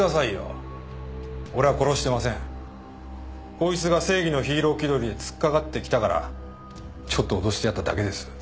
こいつが正義のヒーロー気取りで突っかかってきたからちょっと脅してやっただけです。